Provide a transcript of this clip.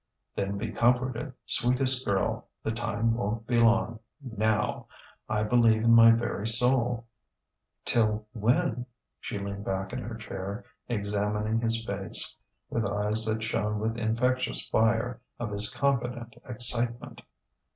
"Then be comforted, sweetest girl; the time won't be long, now I believe in my very soul." "Till when ?" She leaned back in her chair, examining his face with eyes that shone with infectious fire of his confident excitement.